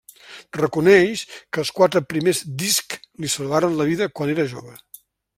Reconeix que els quatre primers discs li salvaren la vida quan era jove.